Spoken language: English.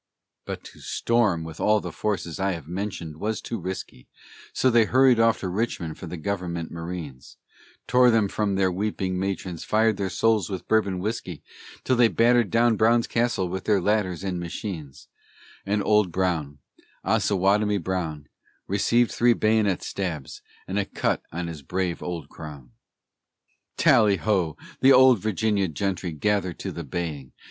But to storm, with all the forces I have mentioned, was too risky; So they hurried off to Richmond for the Government Marines, Tore them from their weeping matrons, fired their souls with Bourbon whiskey, Till they battered down Brown's castle with their ladders and machines; And Old Brown, Osawatomie Brown, Received three bayonet stabs, and a cut on his brave old crown. Tallyho! the old Virginia gentry gather to the baying!